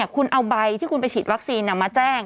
คุณเอาใบที่คุณไปฉีดวัคซีนมาแจ้ง